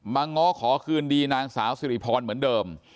ง้อขอคืนดีนางสาวสิริพรเหมือนเดิม